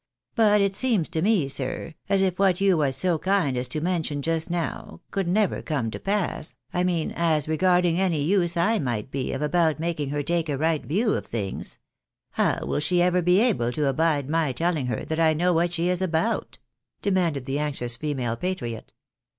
But it seems to me, sir, as if what you was so kind as to mention just DOW, could never come to pass, I mean as regarding any use I might be of about making her take the right view of things. How will she ever be able to abide my telling her that I know what she is about ?" demanded the anxious female patriot.